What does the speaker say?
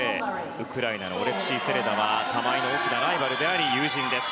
ウクライナのオレクシー・セレダは玉井の大きなライバルであり友人です。